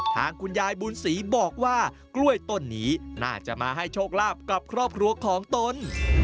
ทางคุณยายบุญศรีบอกว่ากล้วยต้นนี้น่าจะมาให้โชคลาภกับครอบครัวของตน